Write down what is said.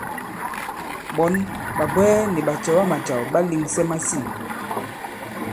Ɓɔ̌n, ɓàbwɛɛ nì ɓàcɛ̀wamàcàw ɓà lèŋsɛ masîn.